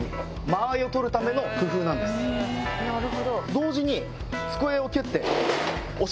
同時に。